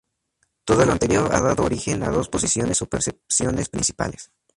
Todo lo anterior ha dado origen a dos posiciones o percepciones principales.